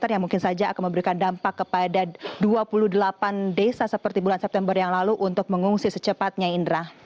yang mungkin saja akan memberikan dampak kepada dua puluh delapan desa seperti bulan september yang lalu untuk mengungsi secepatnya indra